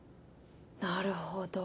なるほど。